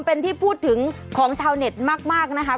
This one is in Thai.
เป็นที่พูดถึงของชาวเน็ตมากนะคะ